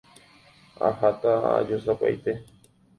Aháta aju sapy'aite